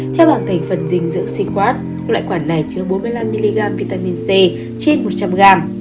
theo bảng thành phần dinh dưỡng c quart loại quản này chứa bốn mươi năm mg vitamin c trên một trăm linh g